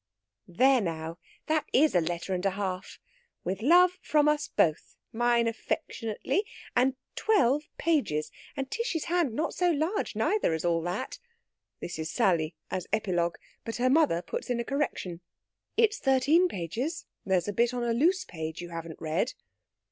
"There now! that is a letter and a half. 'With love from us both,' mine affectionately. And twelve pages! And Tishy's hand's not so large, neither, as all that." This is Sally, as epilogue; but her mother puts in a correction: "It's thirteen pages. There's a bit on a loose page you haven't read."